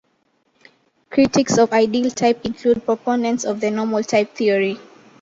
Critics of ideal type include proponents of the normal type theory.